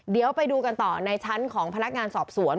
เดี๋ยวไปดูกันต่อในชั้นของพนักงานสอบสวน